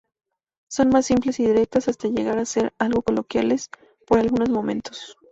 Son más simples y directas, hasta llegar a ser algo coloquiales por algunos momentos.